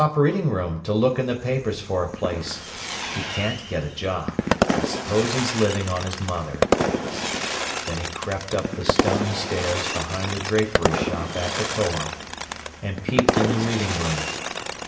reading room to look in the papers for a place. He can't get a job. I suppose he's living on his mother." Then he crept up the stone stairs behind the drapery shop at the Co op., and peeped in the reading room.